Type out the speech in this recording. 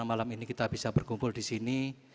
malam ini kita bisa berkumpul di sini